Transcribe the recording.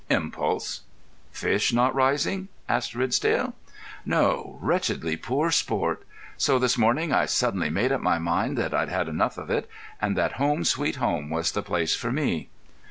"Impulse." "Fish not rising?" asked Ridsdale. "No. Wretchedly poor sport. So this morning I suddenly made up my mind that I'd had enough of it, and that home, sweet home, was the place for me.